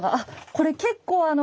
これ結構あの。